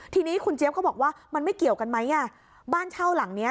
ทีนี้คุณเจี๊ยบก็บอกว่ามันไม่เกี่ยวกันไหมอ่ะบ้านเช่าหลังเนี้ย